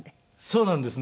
そうなんですね。